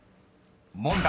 ［問題］